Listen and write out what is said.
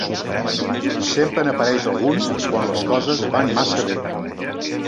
Sempre n'apareix algun quan les coses van massa bé.